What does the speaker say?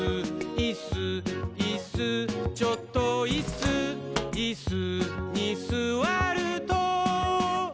「いっすーいっすーちょっといっすー」「イスにすわると」